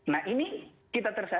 nah ini kita tersenyum